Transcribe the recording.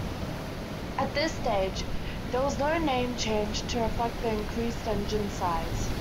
At this stage there was no name change to reflect the increased engine size.